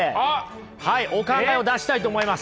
はいお考えを出したいと思います。